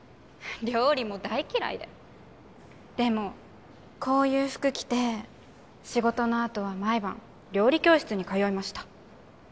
料理も大嫌いででもこういう服着て仕事のあとは毎晩料理教室に通いました